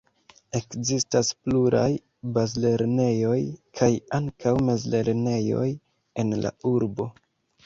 Ekzistas pluraj bazlernejoj kaj ankaŭ mezlernejoj en la urbo.